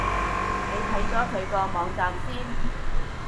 你睇咗佢個網站先